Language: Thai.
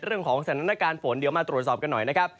เรื่องของสถานการณ์ฝนเดี๋ยวมาตรวจสอบกันหน่อยนะครับ